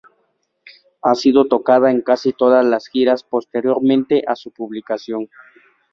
Ha sido tocada en casi todas las giras posteriores a su publicación.